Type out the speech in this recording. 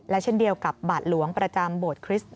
และเช่นเดียวกับบาตรหลวงประจำบทคริสต์